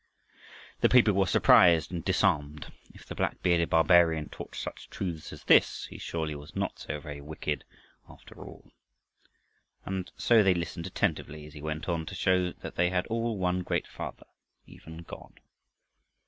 The people were surprised and disarmed. If the black bearded barbarian taught such truths as this, he surely was not so very wicked after all. And so they listened attentively as he went on to show that they had all one great Father, even God.